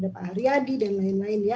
pak ariyadi dan lain lain